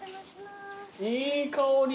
いい香り。